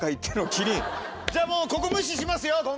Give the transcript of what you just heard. じゃあもうここ無視しますよ今回。